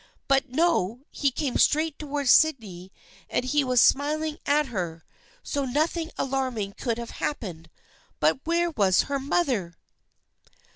But no, he came straight towards Sydney, and he was smiling at her, so nothing alarming could have happened, but where was her mother